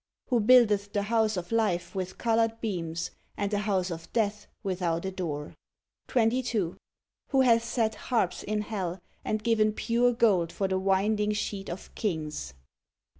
Who buildeth the house of life with colored beams, and the house of death without a door; 22. Who hath set harps in hell, and given pure gold for the winding sheet of kings; 23.